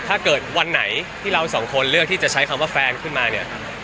ถ้าเกิดวันไหนที่เราสองคนเลือกที่จะใช้คำว่าแฟนขึ้นมาเนี่ย